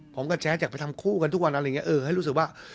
ผมกับแจ๊ดอยากไปทำคู่กันทุกวันอะไรอย่างนี้เออให้รู้สึกว่า